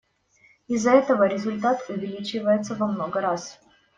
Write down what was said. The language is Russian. Из-за этого результат увеличивается во много раз.